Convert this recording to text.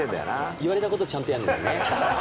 言われたことちゃんとやるのよね。